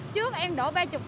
trước em đổ ba mươi